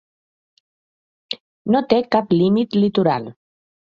No té cap límit litoral.